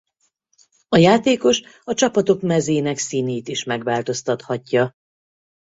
A játékos a csapatok mezének színét is megváltoztathatja.